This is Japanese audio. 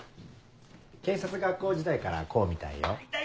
警察学校時代からこうみたいよ。